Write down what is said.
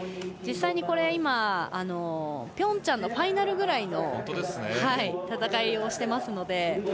実際にピョンチャンのファイナルぐらいの戦いをしてますので。